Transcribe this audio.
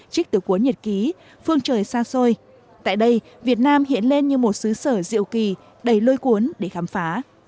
trích từ cuốn nhật ký phương trời xa xôi tại đây việt nam hiện lên như một xứ sở diệu kỳ đầy lôi cuốn để khám phá